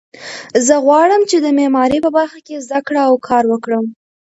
زه غواړم چې د معماري په برخه کې زده کړه او کار وکړم